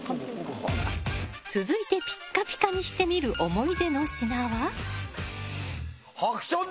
続いてピッカピカにしてみる思い出の品は。